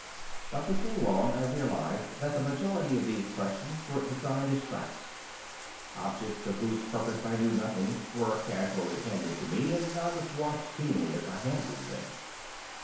But before long I realized that the majority of these questions were designed as traps. Objects, of whose purpose I knew nothing, were casually handed to me, and I was watched keenly as I handled them.